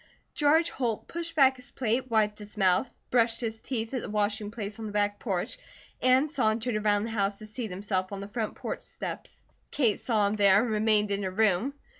George Holt pushed back his plate, wiped his mouth, brushed his teeth at the washing place on the back porch, and sauntered around the house to seat himself on the front porch steps. Kate saw him there and remained in her room.